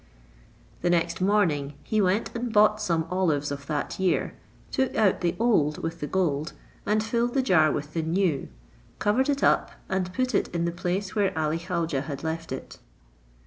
The next morning he went and bought some olives of that year, took out the old with the gold, and filled the jar with the new, covered it up, and put it in the place where Ali Khaujeh had left it.